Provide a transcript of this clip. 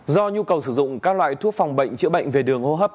do nhu cầu sử dụng các loại thuốc phòng bệnh chữa bệnh về đường hô hấp